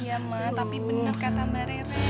iya ma tapi bener kata mba rere